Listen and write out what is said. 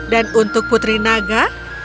dan untuk putri naga